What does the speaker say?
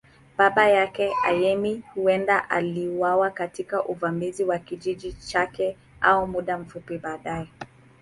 Baba yake, Ayemi, huenda aliuawa katika uvamizi wa kijiji chake au muda mfupi baadaye.